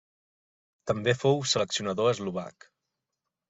També fou seleccionador eslovac.